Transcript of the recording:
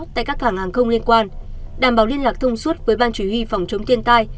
tại các cảng hàng không liên quan đảm bảo liên lạc thông suốt với ban chủ huy phòng chống thiên tai